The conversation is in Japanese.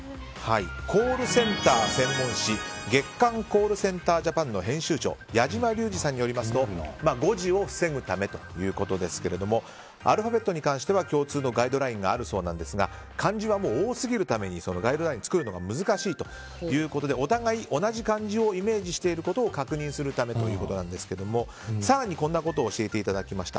コールセンター専門誌「月刊コールセンタージャパン」の編集長矢島竜児さんによりますと誤字を防ぐためということですがアルファベットに関しては共通のガイドラインがあるそうなんですが漢字は多すぎるためにガイドラインを作るのが難しいということでお互い、同じ漢字をイメージしていることを確認するためということですが更にこんなことを教えていただきました。